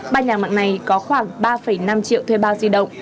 ba nhà mạng này có khoảng ba năm triệu thuê bao di động